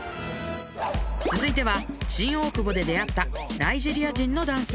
続いては新大久保で出会ったナイジェリア人の男性